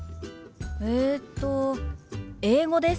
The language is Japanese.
えっと英語です。